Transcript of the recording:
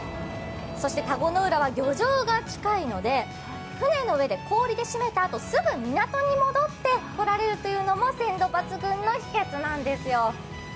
そして田子の浦は漁場が近いので船の上で氷で締めたあと、すぐ港に戻ってこられるのも、鮮度抜群の秘けつなんですよ。